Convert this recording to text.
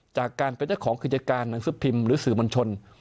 จากการเป็นเจ้าของกิจการหนังสือพิมพ์หรือสื่อมวลชน